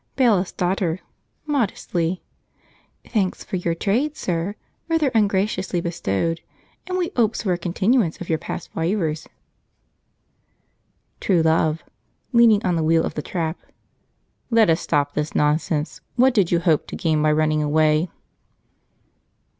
Bailiff's Daughter (modestly). "Thanks for your trade, sir, rather ungraciously bestowed, and we 'opes for a continuance of your past fyvors." True Love (leaning on the wheel of the trap). "Let us stop this nonsense. What did you hope to gain by running away?"